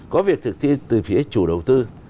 có việc thực thi từ phía chủ đầu tư